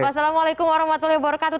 wassalamualaikum warahmatullahi wabarakatuh